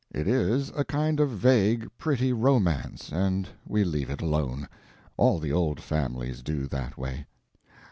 It is a kind of vague, pretty romance, and we leave it alone. All the old families do that way.